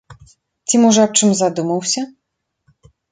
Ці, можа, аб чым задумаўся?